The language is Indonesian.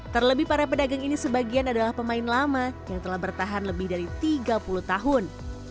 terlebih para pedagang ini sebagian adalah pemain lama yang telah bertahan lebih dari tiga puluh tahun